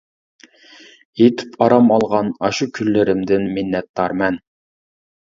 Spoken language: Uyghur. يېتىپ ئارام ئالغان ئاشۇ كۈنلىرىمدىن مىننەتدارمەن.